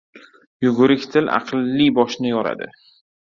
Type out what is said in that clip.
• Yugurik til aqlli boshni yoradi.